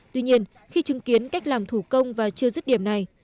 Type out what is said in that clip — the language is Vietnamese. tuy nhiên khi chứng kiến cách làm thủ công và chưa dứt điểm này